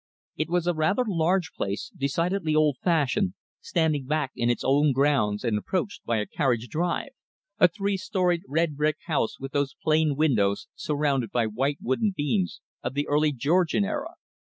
It was a rather large place, decidedly old fashioned, standing back in its own grounds and approached by a carriage drive, a three storied redbrick house with those plain windows surrounded by white wooden beams of the early Georgian era.